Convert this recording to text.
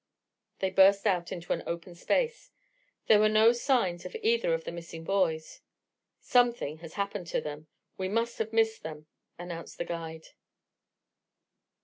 They burst out into an open space. There were no signs of either of the missing boys. "Something has happened to them. We must have missed them," announced the guide.